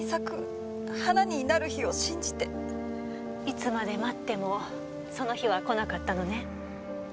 いつまで待ってもその日は来なかったのね？